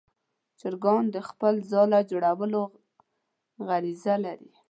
چرګان د خپل ځاله جوړولو غریزه لري.